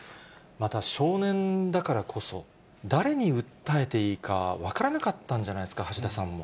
また少年だからこそ、誰に訴えていいか、分からなかったんじゃないですか、橋田さんも。